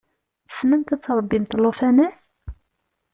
Tessnemt ad tṛebbimt llufanat?